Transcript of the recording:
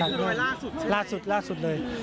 อันนี้คือรายล่าสุดใช่ไหมล่าสุดเลย